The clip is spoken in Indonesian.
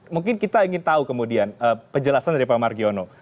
mungkin kita ingin tahu kemudian penjelasan dari pak margiono